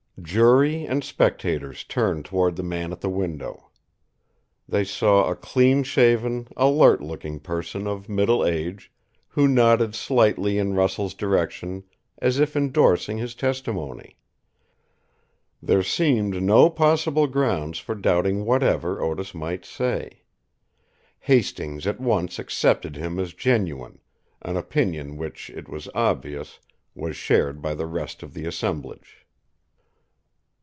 Jury and spectators turned toward the man at the window. They saw a clean shaven, alert looking person of middle age, who nodded slightly in Russell's direction as if endorsing his testimony. There seemed no possible grounds for doubting whatever Otis might say. Hastings at once accepted him as genuine, an opinion which, it was obvious, was shared by the rest of the assemblage.